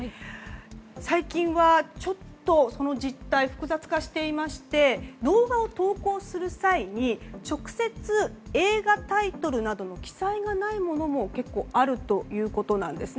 最近はちょっとその実態複雑化していまして動画を投稿する際に直接、映画タイトルなどの記載がないものも結構あるということなんです。